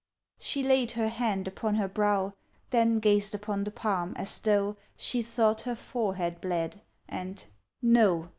She laid her hand upon her brow, Then gazed upon the palm, as though She thought her forehead bled, and: No!